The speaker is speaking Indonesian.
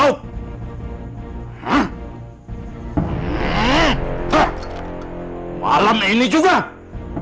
brupai non cair